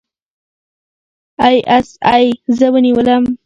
اى ايس اى زه ونیولم.